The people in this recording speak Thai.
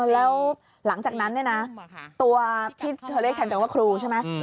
แล้วหลังจากนั้นตัวที่เธอเรียกแทนกว่าครูใช่ไหม